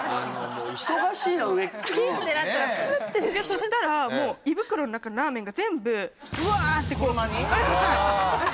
忙しいなそしたら胃袋の中のラーメンが全部うわってこう車に？